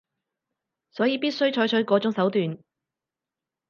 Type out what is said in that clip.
所以必須採取嗰種手段